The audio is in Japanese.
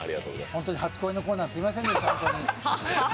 本当に初恋のコーナー、すみませんでした、ホントに。